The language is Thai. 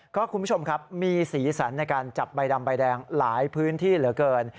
คุณผู้ชมครับมีสีสันในการจับใบดำใบแดงหลายพื้นที่เหลือเกิน